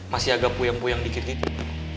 masih agak puyeng puyeng dikit dikit